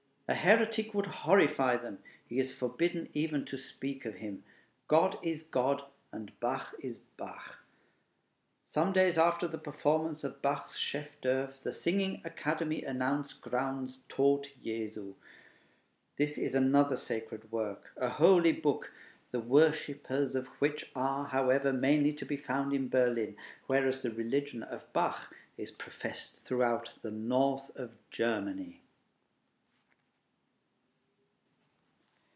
A heretic would horrify them, he is forbidden even to speak of him. God is God and Bach is Bach. Some days after the performance of Bach's chef d'oeuvre, the Singing Academy announced Graun's 'Tod Jesu.' This is another sacred work, a holy book; the worshipers of which are, however, mainly to be found in Berlin, whereas the religion of Bach is professed throughout the north of Germany.